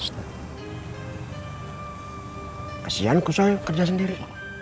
kasian ku soi kerja sendiri